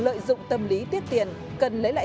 lợi dụng tâm lý tiết tiền cần lấy lại